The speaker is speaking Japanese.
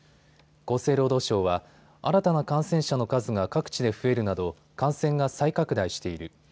厚生労働省は新たな感染者の数が各地で増えるなど感染が再拡大している。